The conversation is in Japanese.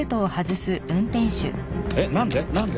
えっなんで？